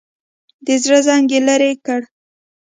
د زړه زنګ یې لرې کړ.